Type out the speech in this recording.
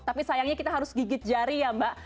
tapi sayangnya kita harus gigit jari ya mbak